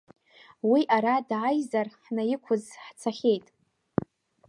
Уи ара дааизар ҳнаиқәыӡ хцахьеит.